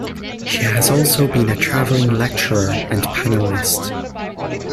She has also been a traveling lecturer and panelist.